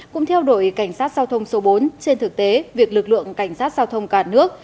cũng theo đội cảnh sát giao thông số bốn trên thực tế việc lực lượng cảnh sát giao thông cả nước